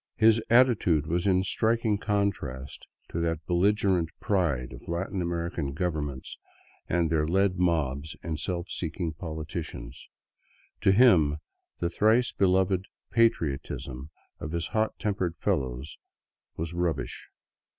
His attitude was in striking contrast to that belligerent *' pride " of Latin American governments and their led mobs and self seeking politicians. To him the thrice beloved " patriotism " of his hot tempered fellows was rub bish.